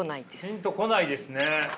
ピンとこないですね。